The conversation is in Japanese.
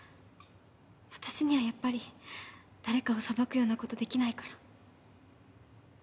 私にはやっぱり誰かを裁くようなことできないから。